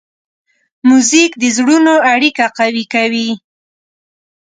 موزیک د زړونو اړیکه قوي کوي.